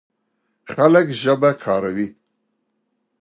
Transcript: خلک ژبه کاروي.